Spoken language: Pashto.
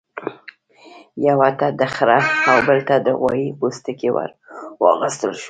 یوه ته د خرۀ او بل ته د غوايي پوستکی ورواغوستل شو.